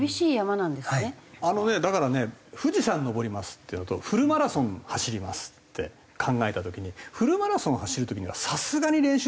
あのねだからね富士山登りますっていうのとフルマラソン走りますって考えた時にフルマラソンを走る時にはさすがに練習するでしょ？